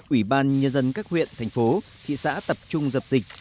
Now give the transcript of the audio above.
ủy ban nhân dân các huyện thành phố thị xã tập trung dập dịch